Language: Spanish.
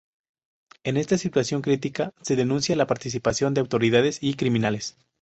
En esta situación crítica se denuncia la participación de autoridades y criminales.